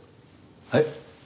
はい？